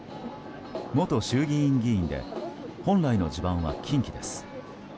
元衆議院議員で本来の地盤は近畿です。